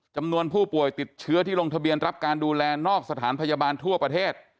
จำนวนผู้ป่วยติดเชื้อที่ลงทะเบียนรับการดูแลนอกสถานพยาบาลทั่วประเทศ